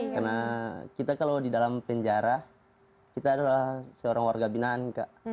karena kita kalau di dalam penjara kita adalah seorang warga binan kak